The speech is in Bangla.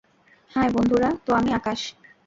হাই বন্ধুরা, তো আমি আকাশ।